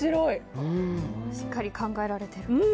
しっかり考えられてる。